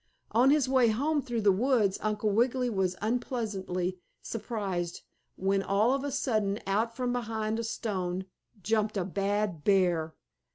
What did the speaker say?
On his way home through the woods, Uncle Wiggily was unpleasantly surprised when, all of a sudden out from behind a stone jumped a bad bear.